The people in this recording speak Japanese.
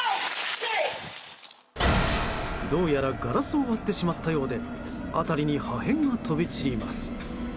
どうやらガラスを割ってしまったようで辺りに破片が飛び散ります。